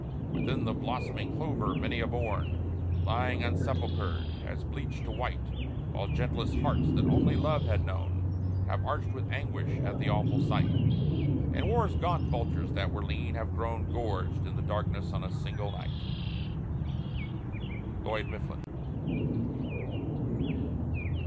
Within the blossoming clover many a bone Lying unsepulchred, has bleached to white; While gentlest hearts that only love had known, Have ached with anguish at the awful sight; And War's gaunt Vultures that were lean, have grown Gorged in the darkness in a single night! LLOYD MIFFLIN.